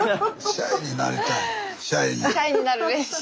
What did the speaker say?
シャイになる練習。